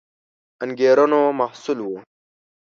انګېرنو محصول وو